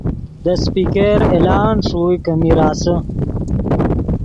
دے سپیکر اعلان ݰوئے کہ میر آسے